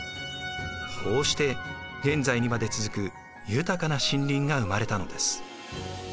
こうして現在にまで続く豊かな森林が生まれたのです。